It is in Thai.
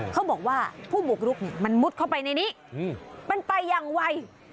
เขาบอกว่าผู้บุกรุกมันมุดเข้าไปในนี้มันไปอย่างไว